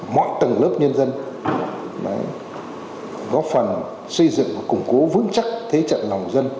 mọi tầng lớp nhân dân góp phần xây dựng và củng cố vững chắc thế trận lòng dân